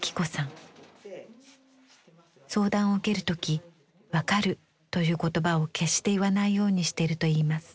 相談を受ける時「わかる」という言葉を決して言わないようにしてるといいます。